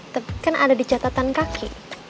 tapi kan ada di catatan kaki